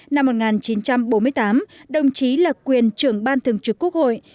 năm một nghìn chín trăm bốn mươi tám đồng chí là quyền trưởng ban thường trực quốc hội